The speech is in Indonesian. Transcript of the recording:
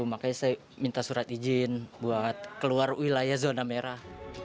makanya saya minta surat izin buat keluar wilayah zona merah